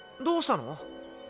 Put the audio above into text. どうしたの？